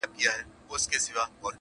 o سل دي ومره، يو دي مه مره!